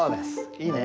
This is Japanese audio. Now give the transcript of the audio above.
いいね。